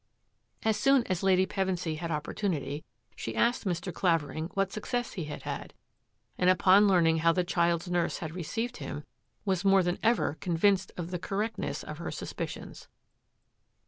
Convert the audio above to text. As soon as Lady Fevensy had opportunity she asked Mr. Clavering what success he had had, and upon learning how the child's nurse had received him, was more than ever convinced of the correct ness of her suspicions.